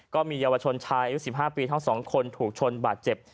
ก็มีเยาวชนชายอายุ๑๕ปีทั้ง๒คนถูกชนบาดเจ็บ